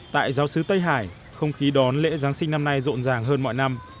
tại giáo sứ tây hải không khí đón lễ giáng sinh năm nay rộn ràng hơn mọi năm